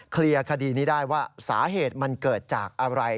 เคลียร์คดีนี้ได้ว่าสาเหตุมันเกิดจากอะไร